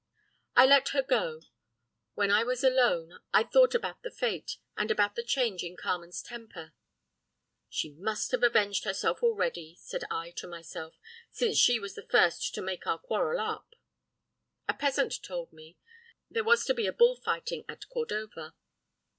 "I let her go. When I was alone I thought about the fete, and about the change in Carmen's temper. 'She must have avenged herself already,' said I to myself, 'since she was the first to make our quarrel up.' A peasant told me there was to be bull fighting at Cordova.